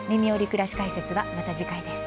くらし解説」はまた次回です。